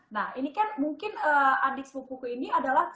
nah ini kan mungkin adik sepupuku ini adalah